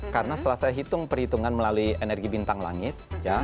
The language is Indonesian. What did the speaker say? karena setelah saya hitung perhitungan melalui energi bintang langit